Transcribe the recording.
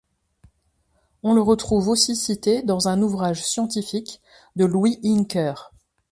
On le retrouve aussi cité dans un ouvrage scientifique de Louis Hincker.